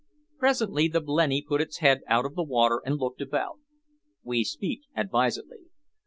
Presently the blenny put its head out of the water, and looked about. We speak advisedly.